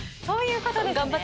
そういうことですね。